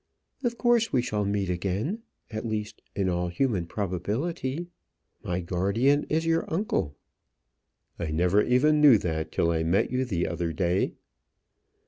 "Of course we shall meet again; at least, in all human probability. My guardian is your uncle." "I never even knew that till I met you the other day."